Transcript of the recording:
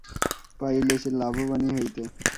পাইলে সে লাভবানই হইত।